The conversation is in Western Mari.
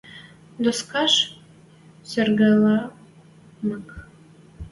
Доскаш сӹгӹрӓлмӹк